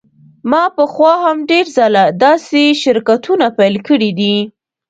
ما پخوا هم ډیر ځله داسې شرکتونه پیل کړي دي